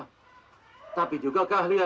tidak cuma diperlukan bekerja dan berusaha